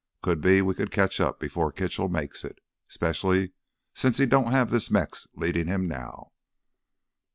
Could be we could catch up before Kitchell makes it—'specially since he don't have this Mex leadin' him now."